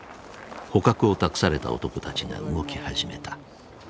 捕獲を託された男たちが動き始めた。